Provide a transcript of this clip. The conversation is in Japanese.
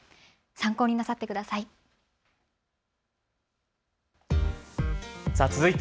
参考になさってください。